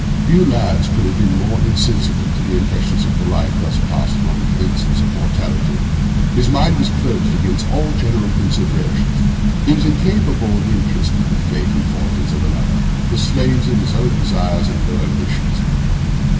Few lads could have been more insensible to the impressions of a life thus passed among the ensigns of mortality. His mind was closed against all general considerations. He was incapable of interest in the fate and fortunes of another, the slave of his own desires and low ambitions.